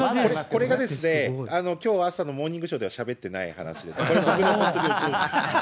これがですね、きょう朝のモーニングショーではしゃべってない話です。